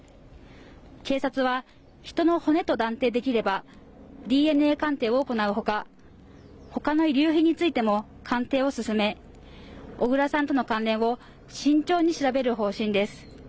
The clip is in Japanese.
警察は人の骨と断定できればＤＮＡ鑑定を行うほかほかの遺留品についても鑑定を進め小倉さんとの関連を慎重に調べる方針です